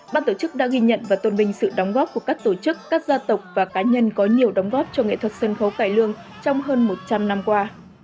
ban tổ chức đã ghi nhận và tôn vinh sự đóng góp của các tổ chức các gia tộc và cá nhân có nhiều đóng góp cho nghệ thuật sân khấu cải lương trong hơn một trăm linh năm qua